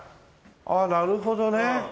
あっなるほどね。